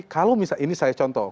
kalau misalnya ini saya contoh